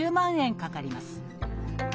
かかります。